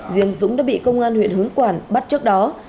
riêng dũng đã bị công an huyện hướng quản bắt trước đó